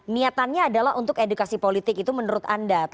niatannya adalah untuk edukasi politik itu menurut anda